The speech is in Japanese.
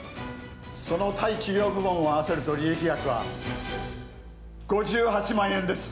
◆その、対企業部門を合わせると利益額は、５８万円です。